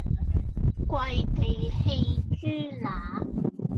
跪地餼豬乸